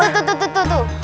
tuh tuh tuh